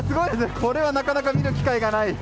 これはなかなか見る機会がない。